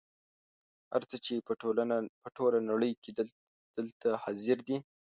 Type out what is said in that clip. هر څه چې په ټوله نړۍ کې دي دلته حاضر دي.